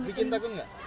bikin takut gak